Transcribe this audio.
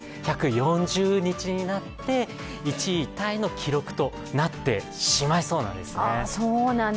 プラス２ということは、１４０日になって１位タイの記録となってしまいそうなんですね。